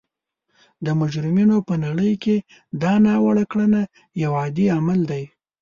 د مجرمینو په نړۍ کې دا ناوړه کړنه یو عادي عمل دی